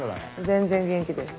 全然元気です。